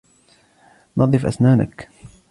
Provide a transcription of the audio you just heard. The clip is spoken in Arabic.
نظف اسنانك.